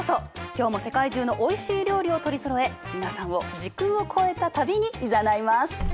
今日も世界中のおいしい料理を取りそろえ皆さんを時空を超えた旅にいざないます！